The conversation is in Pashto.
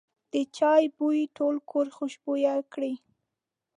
د چای بوی ټول کور خوشبویه کړ.